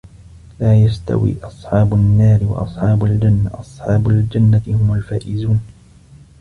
لا يَستَوي أَصحابُ النّارِ وَأَصحابُ الجَنَّةِ أَصحابُ الجَنَّةِ هُمُ الفائِزونَ